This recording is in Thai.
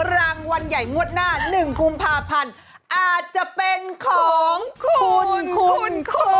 รางวัลใหญ่งวดหน้าหนึ่งกลุ่มภาพันธ์อาจจะเป็นของคุณ